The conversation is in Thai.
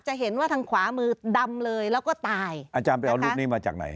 จะเห็นว่าทางขวามือดำเลยแล้วก็ตายอาจารย์ไปเอารูปนี้มาจากไหน